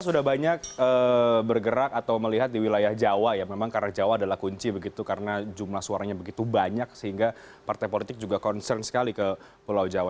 sudah banyak bergerak atau melihat di wilayah jawa ya memang karena jawa adalah kunci begitu karena jumlah suaranya begitu banyak sehingga partai politik juga concern sekali ke pulau jawa